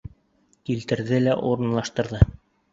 Килтерҙе лә урынлаштырҙы.